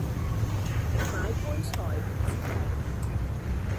買棺材唔知埞